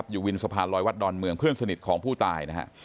อยู่วินสะพานลอยวัดดอนเมืองเพื่อนสนิทของผู้ตายนะฮะ